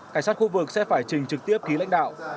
cảnh sát khu vực sẽ phải trình trực tiếp ký lãnh đạo